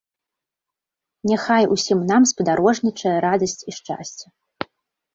Няхай усім нам спадарожнічае радасць і шчасце!